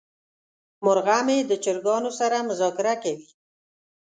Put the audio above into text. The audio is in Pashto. مرغه مې د چرګانو سره مذاکره کوي.